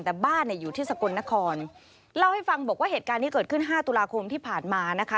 แต่บ้านเนี่ยอยู่ที่สกลนครเล่าให้ฟังบอกว่าเหตุการณ์ที่เกิดขึ้นห้าตุลาคมที่ผ่านมานะคะ